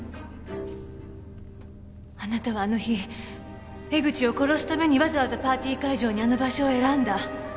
あなたはあの日江口を殺すためにわざわざパーティー会場にあの場所を選んだ。